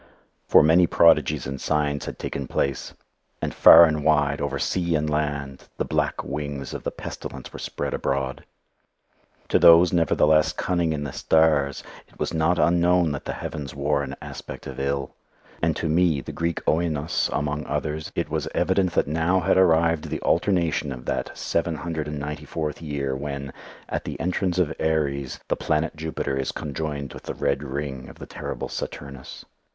For many prodigies and signs had taken place, and far and wide, over sea and land, the black wings of the Pestilence were spread abroad. To those, nevertheless, cunning in the stars, it was not unknown that the heavens wore an aspect of ill; and to me, the Greek Oinos, among others, it was evident that now had arrived the alternation of that seven hundred and ninety fourth year when, at the entrance of Aries, the planet Jupiter is enjoined with the red ring of the terrible Saturnus.